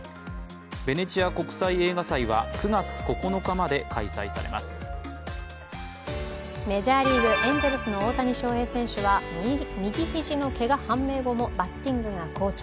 ベネチア国際映画祭は９月９日まで開催されますメジャーリーグ、エンゼルスの大谷翔平選手は右肘のけが判明後もバッティングが好調。